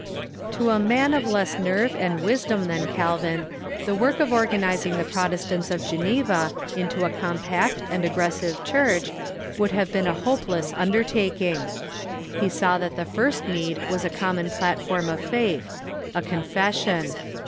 To a man of less nerve and Avisdom than Calvin, the work of organizing the Protestants of Geneva into a compact and aggressive Church would have been a hopeless Calvin and the ",,. tt i t n i Genevese Church undertaking, lie saw that the first need was a common platform of faith — a Confession.